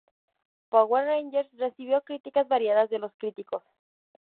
Power Rangers recibió críticas variadas de los críticos.